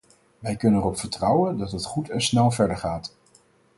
Wij kunnen erop vertrouwen, dat het goed en snel verdergaat.